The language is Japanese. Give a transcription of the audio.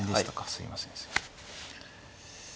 すいません。